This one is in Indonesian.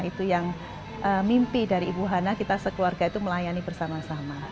itu yang mimpi dari ibu hana kita sekeluarga itu melayani bersama sama